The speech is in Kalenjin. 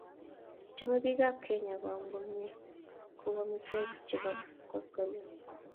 Chomei biik ab Kenya koam kimyee ko uu amitwokik che bo koskoleny